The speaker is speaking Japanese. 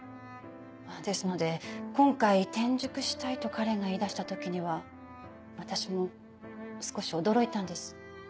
ですので今回転塾したいと花恋が言いだした時には私も少し驚いたんです。